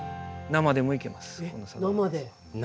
生でいけます。